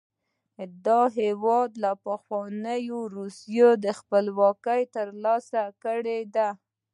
دا هېواد له پخوانۍ روسیې نه خپلواکي تر لاسه کړې ده.